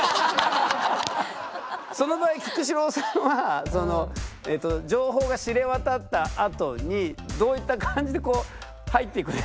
その場合菊紫郎さんは情報が知れ渡ったあとにどういった感じで入っていくんですか。